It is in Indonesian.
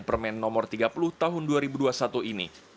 permen nomor tiga puluh tahun dua ribu dua puluh satu ini